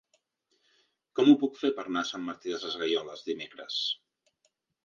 Com ho puc fer per anar a Sant Martí Sesgueioles dimecres?